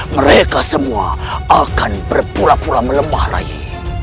mereka semua akan berpura pura melemah lagi